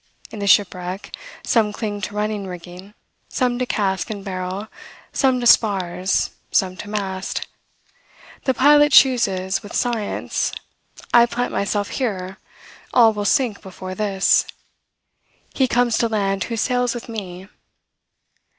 In the shipwreck, some cling to running rigging, some to cask and barrel, some to spars, some to mast; the pilot chooses with science, I plant myself here; all will sink before this; "he comes to land who sails with me."